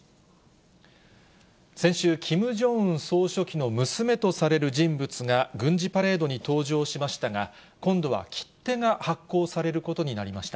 先週、キム・ジョンウン総書記の娘とされる人物が、軍事パレードに登場しましたが、今度は切手が発行されることになりました。